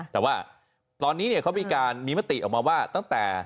แต่ว่าตอนนี้เขามีการมีมติออกมาว่าตั้งแต่